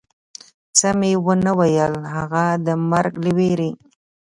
څه مې و نه ویل، هغه د مرګ له وېرې.